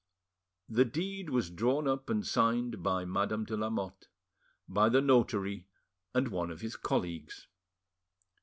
The deed was drawn up and signed by Madame de Lamotte, by the notary, and one of his colleagues.